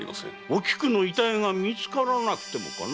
おきくの遺体が見つからなくてもかな？